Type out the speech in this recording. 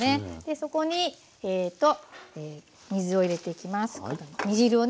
そこに水を入れていきます。